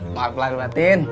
maaf lah air batin